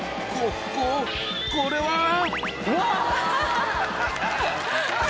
こここれは！